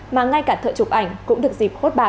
mà ngay cả thợ chụp ảnh cũng được dịp hốt bà